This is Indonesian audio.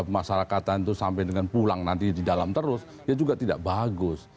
pemasarakatan itu sampai dengan pulang nanti di dalam terus ya juga tidak bagus